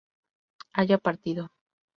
haya partido